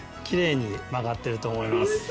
きれいに曲がってると思います。